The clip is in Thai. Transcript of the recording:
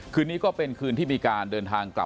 คืนนี้ก็เป็นคืนที่มีการเดินทางกลับ